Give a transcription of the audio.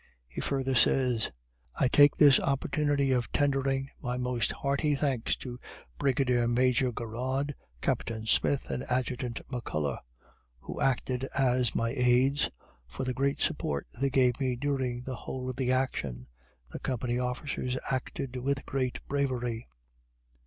He further says: "I take this opportunity of tendering my most hearty thanks to Brigade Major Garrard, Captain Smith, and Adjutant McCuller, who acted as my aids, for the great support they gave me during the whole of the action. The company officers acted with great bravery."